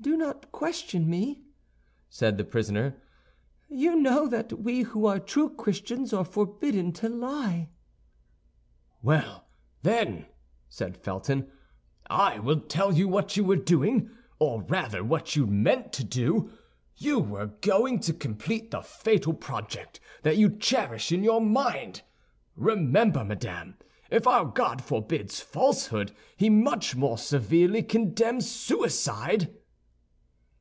"Do not question me," said the prisoner; "you know that we who are true Christians are forbidden to lie." "Well, then," said Felton, "I will tell you what you were doing, or rather what you meant to do; you were going to complete the fatal project you cherish in your mind. Remember, madame, if our God forbids falsehood, he much more severely condemns suicide."